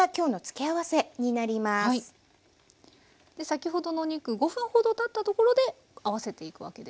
先ほどのお肉５分ほどたったところで合わせていくわけですね。